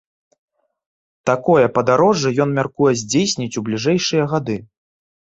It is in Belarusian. Такое падарожжа ён мяркуе здзейсніць у бліжэйшыя гады.